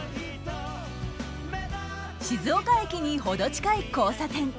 静岡駅に程近い交差点。